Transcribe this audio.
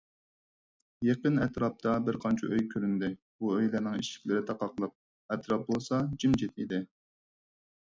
يېقىن ئەتراپتا بىرقانچە ئۆي كۆرۈندى، بۇ ئۆيلەرنىڭ ئىشىكلىرى تاقاقلىق، ئەتراپ بولسا جىمجىت ئىدى.